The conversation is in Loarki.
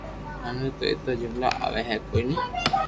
مني تو ايتا جملا آوي ھي ڪوئي ني